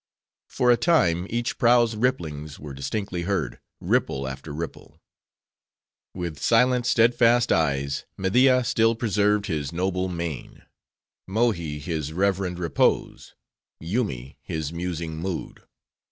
For a time, each prow's ripplings were distinctly heard: ripple after ripple. With silent, steadfast eyes, Media still preserved his noble mien; Mohi his reverend repose; Yoomy his musing mood.